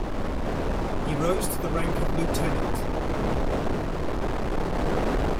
He rose to the rank of lieutenant.